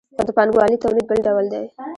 خو د پانګوالي تولید بل ډول دی.